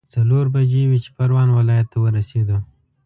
څلور بجې وې چې پروان ولايت ته ورسېدو.